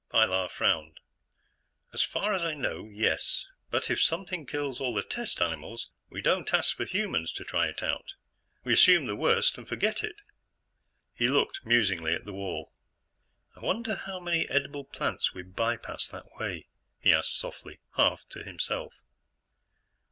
Pilar frowned. "As far as I know, yes. But if something kills all the test animals, we don't ask for humans to try it out. We assume the worst and forget it." He looked musingly at the wall. "I wonder how many edible plants we've by passed that way?" he asked softly, half to himself.